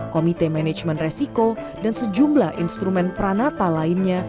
komite manajemen resiko dan sejumlah instrumen pranata lainnya